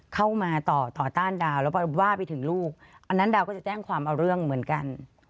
เข้ามาต่อต่อต้านดาวแล้วว่าไปถึงลูกอันนั้นดาวก็จะแจ้งความเอาเรื่องเหมือนกัน